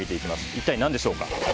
一体、何でしょうか。